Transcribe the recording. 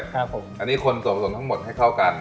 ครับผมอันนี้คนส่วนผสมทั้งหมดให้เข้ากัน